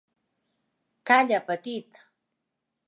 Calla, petit!